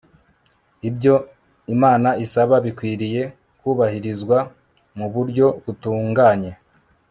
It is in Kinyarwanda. ibyo imana isaba bikwiriye kubahirizwa mu buryo butunganye